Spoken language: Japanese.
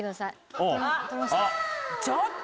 ちょっと！